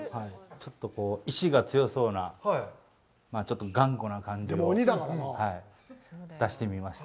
ちょっとこう、意思が強そうな、ちょっと頑固な感じを出してみました。